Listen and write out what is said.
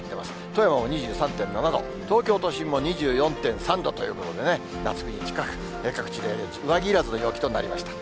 富山も２３．７度、東京都心も２４．３度ということでね、夏日に近く、各地で上着いらずの陽気となりました。